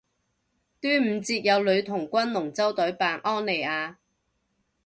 端午節有女童軍龍舟隊扮安妮亞